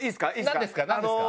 何ですか？